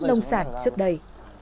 nông sản trước đây